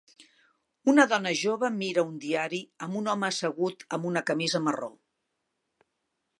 Una dona jove mira un diari amb un home assegut amb una camisa marró